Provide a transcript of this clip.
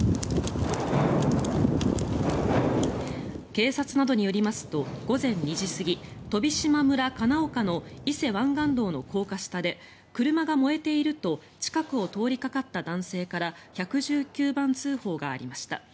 警察などによりますと午前２時過ぎ飛島村金岡の伊勢湾岸道の高架下で車が燃えていると近くを通りかかった男性から１１９番通報がありました。